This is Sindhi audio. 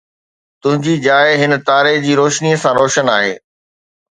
تنهنجي جاءِ هن تاري جي روشنيءَ سان روشن آهي